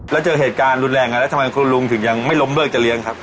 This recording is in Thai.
แล้วเจอเหตุการณ์รุนแรงกันแล้วทำไมคุณลุงถึงยังไม่ล้มเลิกจะเลี้ยงครับ